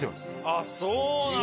あっそうなんや！